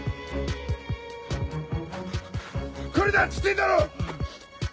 来るなっつってんだろ！